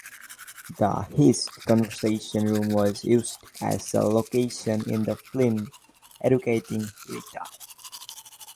The Hist Conversation Room was used as a location in the film "Educating Rita".